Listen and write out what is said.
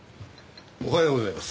おはようございます。